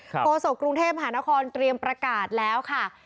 โฆษกรุงเทพมหานครเตรียมประกาศแล้วค่ะ